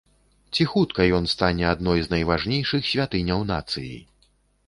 Ці хутка ён стане адной з найважнейшых святыняў нацыі?